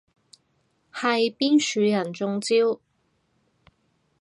係邊樹人中招？